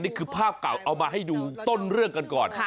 นี่คือภาพเก่าเอามาให้ดูต้นเรื่องกันก่อน